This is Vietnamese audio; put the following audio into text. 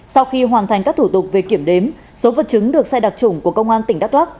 sau khi hoàn thành các thủ tục về kiểm đếm số vật chứng được xe đặc trủng của công an tỉnh đắk lắc